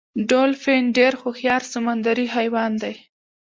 ډولفین ډیر هوښیار سمندری حیوان دی